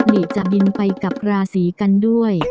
หลีจะบินไปกับราศีกันด้วย